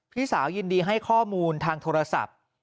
พี่สาวยินดีให้ข้อมูลทางโทรศัพท์